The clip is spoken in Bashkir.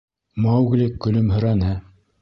Маугли көлөмһөрәне.